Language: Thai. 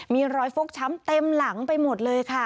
มีรอยฟกช้ำเต็มหลังไปหมดเลยค่ะ